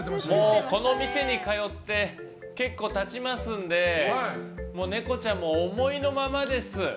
もう、この店に通って結構経ちますんでもうネコちゃんも思いのままです。